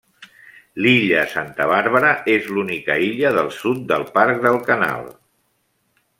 L'illa Santa Bàrbara és l'única illa del sud del Parc del Canal.